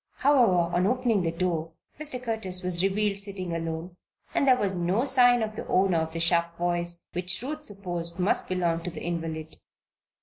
However, on opening the door, Mr. Curtis was revealed sitting alone and there was no sign of the owner of the sharp voice, which Ruth supposed must belong to the invalid.